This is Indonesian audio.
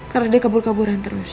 karena dia kabur kaburan terus